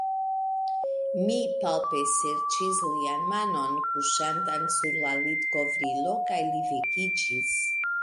Mi palpeserĉis lian manon kuŝantan sur la litkovrilo, kaj li vekiĝis.